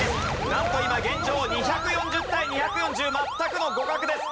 なんと今現状２４０対２４０全くの互角です。